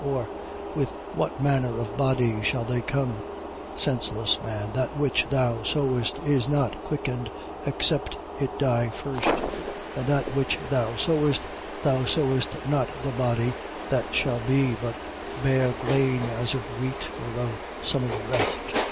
Or with what manner of body shall they come? 15:36. Senseless man, that which thou sowest is not quickened, except it die first. 15:37. And that which thou sowest, thou sowest not the body that shall be: but bare grain, as of wheat, or of some of the rest.